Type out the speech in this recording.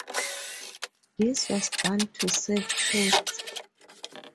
This was done to save costs.